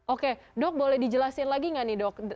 oke dok boleh dijelasin lagi nggak nih dok